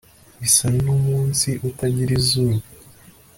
bisa n'umunsi utagira izuba